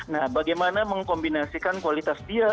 nah bagaimana mengkombinasikan kualitas dia